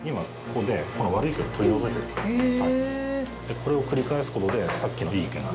これを繰り返すことで、さっきのいい毛が。